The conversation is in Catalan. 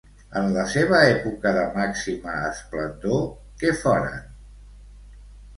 En la seva època de màxima esplendor, què foren?